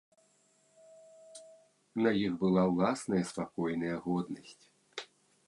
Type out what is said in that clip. На іх была ўласная спакойная годнасць.